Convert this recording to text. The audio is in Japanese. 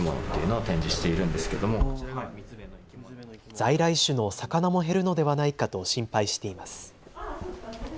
在来種の魚も減るのではないかと心配しています。